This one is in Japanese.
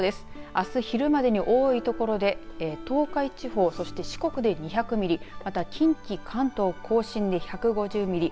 あす昼までに多い所で東海地方そして四国で２００ミリまた近畿、関東甲信で１５０ミリ